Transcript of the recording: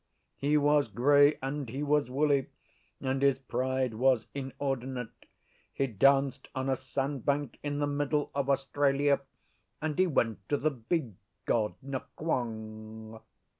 He was grey and he was woolly, and his pride was inordinate: he danced on a sandbank in the middle of Australia, and he went to the Big God Nqong.